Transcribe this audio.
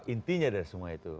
intinya dari semua itu